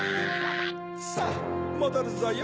さぁもどるぞよ。